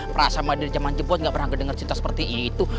perasaan mah dari zaman jebon nggak pernah ngedenger cerita seperti itu